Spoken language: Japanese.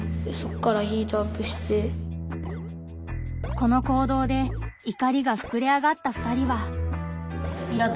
この行動で怒りがふくれ上がった２人は。